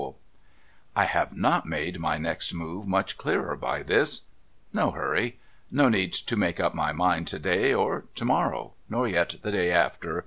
THE FACE AT THE WINDOW 423 ' I have not made my next move much clearer by this. No hurry. No need to make up my mind to day, or to morrow, nor yet the day after.